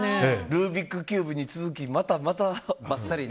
ルービックキューブに続きまたばっさりと。